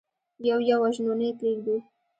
يو يو وژنو، نه يې پرېږدو.